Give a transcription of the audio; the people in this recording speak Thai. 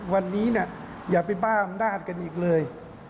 วันนี้อย่าไปบ้าอำนาจกันอีกเลย